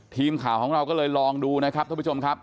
ทีมข่าวของเราก็เลยลองดูนะครับท่านผู้ชมครับ